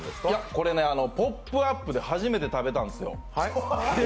これ、「ポップＵＰ！」で初めて食べたんですよ。